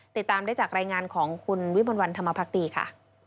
ติดตามได้จากรายงานของคุณวิมลวันธรรมพักดีค่ะ